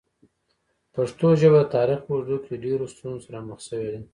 پښتو ژبه د تاریخ په اوږدو کې ډېرو ستونزو سره مخ شوې ده.